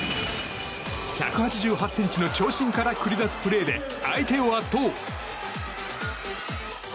１８８ｃｍの長身から繰り出すプレーで相手を圧倒。